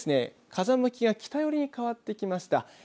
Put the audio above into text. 風向きが北寄りに変わってきました。